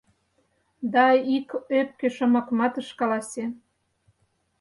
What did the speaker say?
Да ик ӧпке шомакымат ыш каласе.